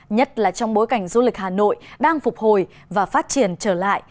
nhất là trong bối cảnh du lịch hà nội đang phục hồi và phát triển trở lại